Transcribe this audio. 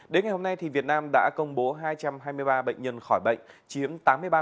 đến ngày hôm nay việt nam đã công bố hai trăm hai mươi ba bệnh nhân khỏi bệnh chiếm tám mươi ba